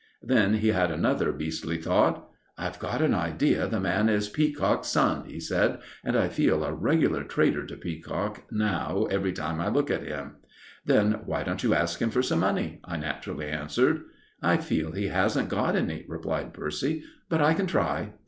Then he had another beastly thought. "I've got an idea the man is Peacock's son," he said. "And I feel a regular traitor to Peacock now every time I look at him." "Then why don't you ask him for some money?" I naturally answered. "I feel he hasn't got any," replied Percy. "But I can try."